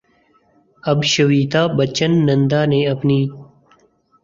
اب شویتا بچن نندا نے اپنی